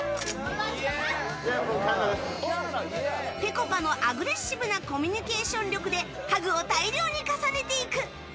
ぺこぱのアグレッシブなコミュニケーション力でハグを大量に重ねていく。